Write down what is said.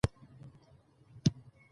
دا ولایتونه په خپله کچه توپیرونه لري.